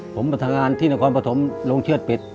ผมมาทำงานที่นครปฐมลุงเชือดปิด